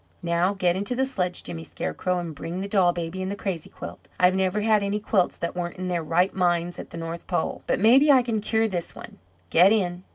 Now get into the sledge, Jimmy Scarecrow, and bring the doll baby and the crazy quilt. I have never had any quilts that weren't in their right minds at the North Pole, but maybe I can cure this one. Get in!"